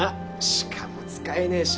しかも使えねぇし。